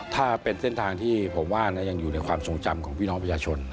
ถ้าเป็นเส้นทางที่ผมว่ายังอยู่ในความทรงจำของพี่น้องประชาชน